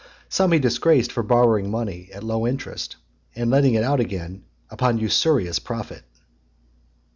Some he disgraced for borrowing money at low interest, and letting it out again upon usurious profit.